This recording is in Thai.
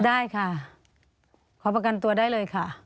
ได้ค่ะขอประกันตัวได้เลยค่ะ